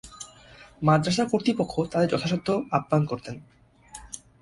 মাদ্রাসা কর্তৃপক্ষ তাদের যথাসাধ্য আপ্যায়ন করতেন।